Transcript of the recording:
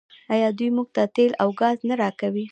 آیا دوی موږ ته تیل او ګاز نه راکوي؟